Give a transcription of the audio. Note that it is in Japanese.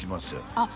あっ